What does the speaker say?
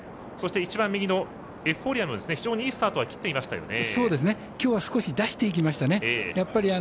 一番右のエフフォーリアも非常にいいスタートは切っていましたよね。